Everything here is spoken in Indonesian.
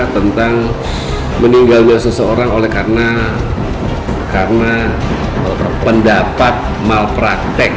tentang meninggalnya seseorang oleh karena pendapat malpraktek